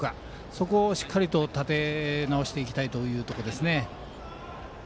そこをしっかり立て直していきたいところですね。